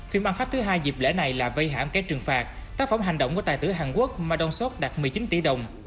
phim ăn khách thứ hai dịp lễ này là vây hãm cái trừng phạt tác phẩm hành động của tài tử hàn quốc mà đòn sót đạt một mươi chín tỷ đồng